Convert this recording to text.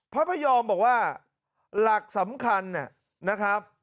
พระพยอมบอกว่าหลักสำคัญนะครับ